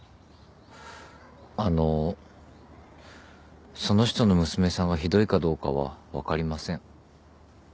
あのその人の娘さんがひどいかどうかは分かりません。